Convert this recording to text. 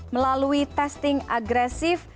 melalui testing agresif